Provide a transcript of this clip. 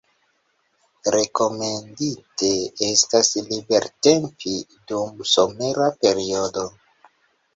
Rekomendite estas libertempi dum somera periodo.